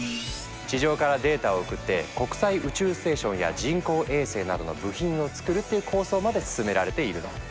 地上からデータを送って国際宇宙ステーションや人工衛星などの部品を作るという構想まで進められているの。